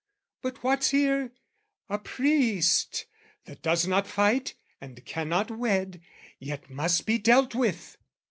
But what's here? "A priest, that does not fight, and cannot wed, "Yet must be dealt with!